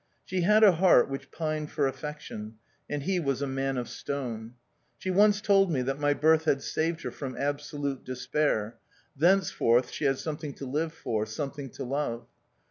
She had a heart which pined for affec tion ; and he was a man of stone. She once told me that my birth had saved her from absolute despair : thenceforth she had something to live for, something to love.